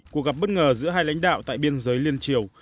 cuộc gặp bất ngờ giữa hai lãnh đạo tại biên giới liên triều